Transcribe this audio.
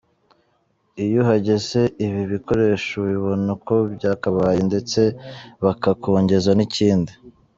Iyo uhageze ibi bikoresho ubibona uko byakabaye, ndetse bakakongeza n’ikindi.